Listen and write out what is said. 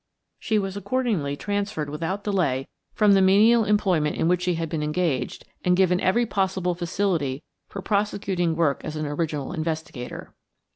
She was accordingly transferred without delay from the menial employment in which she had been engaged and given every possible facility for prosecuting work as an original investigator.